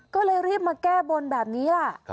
ก็เลยรีบมาแก้บนแบบนี้ล่ะ